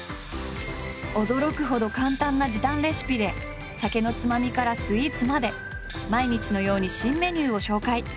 驚くほど簡単な時短レシピで酒のつまみからスイーツまで毎日のように新メニューを紹介。